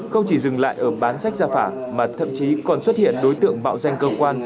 không chỉ dừng lại ở bán sách giả phả mà thậm chí còn xuất hiện đối tượng mạo danh cơ quan